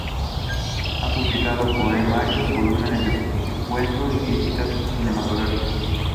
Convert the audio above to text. Ha publicado poemarios, volúmenes de cuento y crítica cinematográfica.